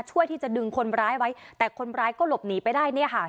ช่วยที่จะดึงคนร้ายไว้แต่คนร้ายก็หลบหนีไปได้เนี่ยค่ะ